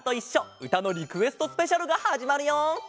うたのリクエストスペシャルがはじまるよ！